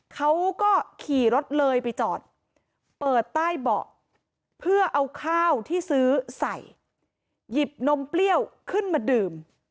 เขาก็ขี่รถเลยไปจอดเปิดใต้เบาะเพื่อเอาข้าวที่ซื้อใส่หยิบนมเปรี้ยวขึ้นมาดื่ม